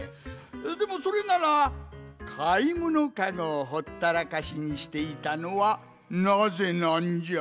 でもそれならかいものカゴをほったらかしにしていたのはなぜなんじゃ？